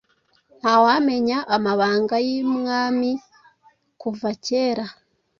Ntawamenya amabanga y,imwami kuva cyera